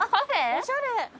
おしゃれ。